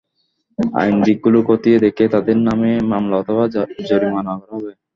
আইনি দিকগুলো খতিয়ে দেখে তাঁদের নামে মামলা অথবা জরিমানা করা হবে।